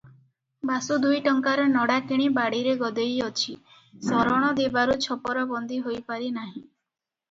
ବାସୁ ଦୁଇ ଟଙ୍କାର ନଡ଼ା କିଣି ବାଡ଼ିରେ ଗଦେଇଅଛି, ଶରଣ ଦେବାରୁ ଛପରବନ୍ଦି ହୋଇପାରି ନାହିଁ ।